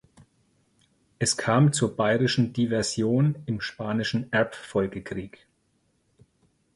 Es kam zur Bayerischen Diversion im Spanischen Erbfolgekrieg.